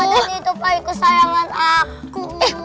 nanti itu paling kesayangan aku